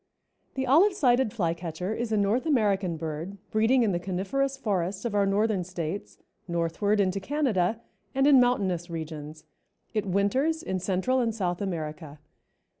_) The Olive sided Flycatcher is a North American bird breeding in the coniferous forests of our Northern States, northward into Canada and in mountainous regions. It winters in Central and South America.